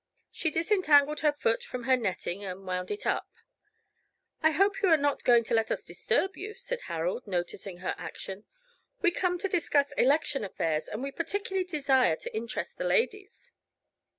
She disentangled her foot from her netting and wound it up. "I hope you are not going to let us disturb you," said Harold, noticing her action. "We come to discuss election affairs, and we particularly desire to interest the ladies."